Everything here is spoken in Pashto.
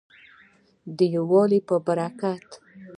د یووالي په برکت.